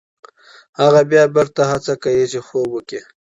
هغه بیا بېرته هڅه کوي چې خوب وکړي.